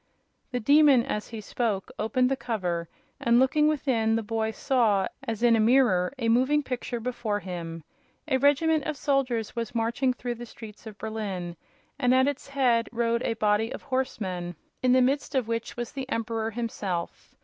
The Demon, as he spoke, opened the cover, and, looking within, the boy saw, as in a mirror, a moving picture before him. A regiment of soldiers was marching through the streets of Berlin, and at its head rode a body of horsemen, in the midst of which was the Emperor himself.